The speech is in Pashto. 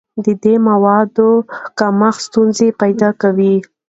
د دې موادو کمښت ستونزې پیدا کوي.